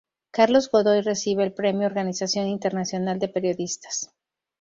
Carlos Godoy recibe el Premio Organización Internacional de Periodistas.